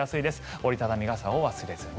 折り畳み傘を忘れずに。